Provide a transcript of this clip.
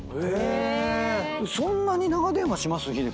そんなに長電話します？